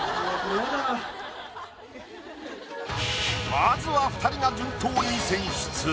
まずは２人が順当に選出。